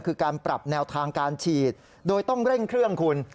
คือการปรับแนวทางการฉีดโดยต้องเร่งเครื่องคุณ